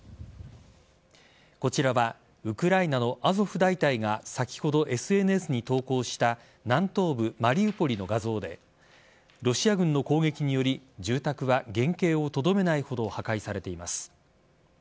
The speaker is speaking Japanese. こちらはウクライナのアゾフ大隊が先ほど、ＳＮＳに投稿した南東部・マリウポリの画像でロシア軍の攻撃により、住宅は原形をとどめないほど破壊されています。